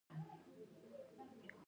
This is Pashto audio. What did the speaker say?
هلمند ولایت پراخه جغرافيه لري.